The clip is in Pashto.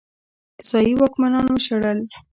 ځايي واکمنان وشړل.